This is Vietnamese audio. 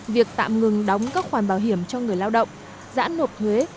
việc tạm ngừng đóng các khoản bảo hiểm cho người lao động giãn nộp thuế